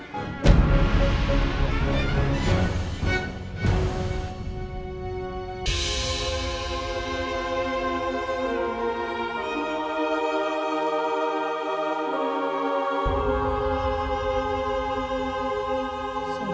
gue ngerasa seperti apa